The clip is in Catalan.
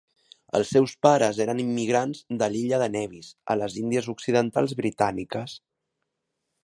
Els seus pares eren immigrants de l'illa de Nevis, a les Índies Occidentals britàniques.